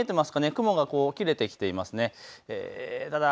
雲が切れてきていますね。